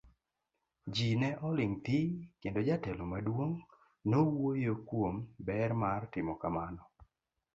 Ji ne oling' thi, kendo jatelo maduong' nowuoyo kuom ber mar timo kamano.